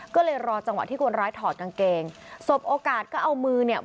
ก็เลยรอจังหวะที่คนร้ายถอดกางเกงสบโอกาสก็เอามือเนี่ย